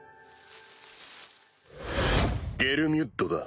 ゲルミュッドだ。